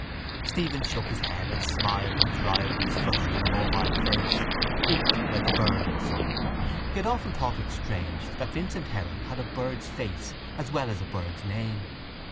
Stephen shook his head and smiled in his rival's flushed and mobile face, beaked like a bird's. He had often thought it strange that Vincent Heron had a bird's face as well as a bird's name.